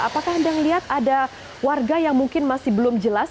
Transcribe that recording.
apakah anda melihat ada warga yang mungkin masih belum jelas